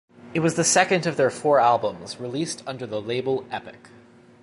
It was the second of their four albums released under the label Epic.